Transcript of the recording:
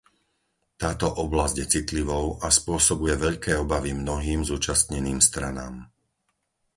Táto oblasť je citlivou a spôsobuje veľké obavy mnohým zúčastneným stranám.